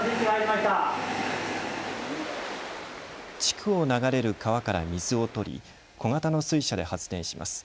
地区を流れる川から水を取り小型の水車で発電します。